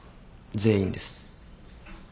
全員です。